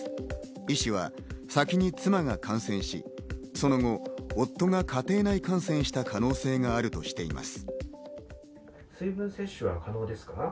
医師は先に妻が感染し、その後、夫が家庭内感染した可能性があるとしています。